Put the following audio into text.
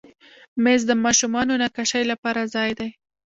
مېز د ماشومانو نقاشۍ لپاره ځای دی.